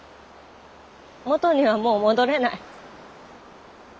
もとにはもう戻れない。